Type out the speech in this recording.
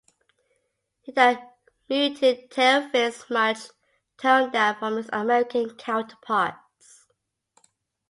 It had muted tailfins, much toned-down from its American counterparts.